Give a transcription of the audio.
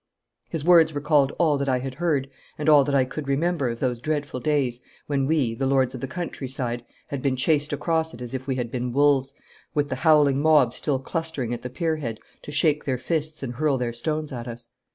His words recalled all that I had heard and all that I could remember of those dreadful days when we, the Lords of the country side, had been chased across it as if we had been wolves, with the howling mob still clustering at the pier head to shake their fists and hurl their stones at us.